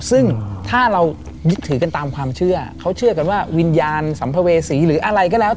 ซึ่งถ้าเรายึดถือกันตามความเชื่อเขาเชื่อกันว่าวิญญาณสัมภเวษีหรืออะไรก็แล้ว